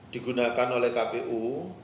digunakan oleh kpu